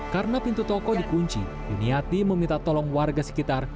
karena pintu toko dikunci yuniati meminta tolong warga sekitar